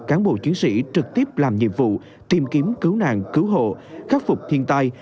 cán bộ chiến sĩ trực tiếp làm nhiệm vụ tìm kiếm cứu nạn cứu hộ khắc phục thiên tai